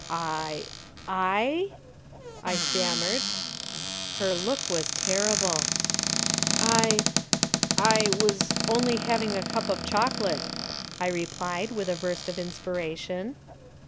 "I I ?" I stammered. Her look was terrible. "I I was only having a cup of chocolate," I replied, with a burst of inspiration.